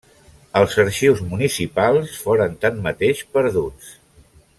Els arxius municipals foren tanmateix perduts.